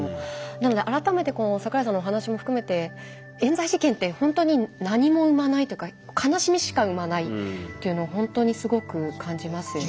なので改めて桜井さんのお話も含めてえん罪事件ってほんとに何も生まないっていうか悲しみしか生まないっていうのをほんとにすごく感じますよね。